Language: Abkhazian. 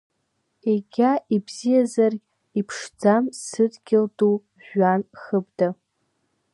Егьа ибзиазаргь иԥшӡам сыдгьыл ду жәҩан хыбда.